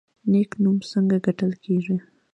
نیک نوم څنګه ګټل کیږي؟